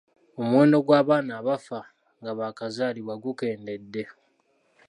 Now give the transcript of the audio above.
Omuwendo gw’abaana abafa nga baakazaalibwa gukendedde.